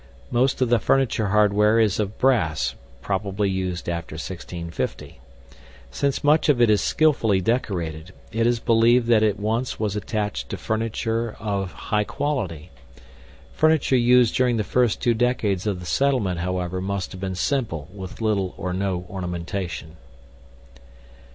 Most of the furniture hardware is of brass (probably used after 1650). Since much of it is skillfully decorated, it is believed that it once was attached to furniture of high quality. Furniture used during the first two decades of the settlement, however, must have been simple with little or no ornamentation.